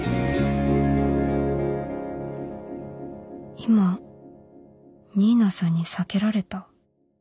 今新名さんに避けられた？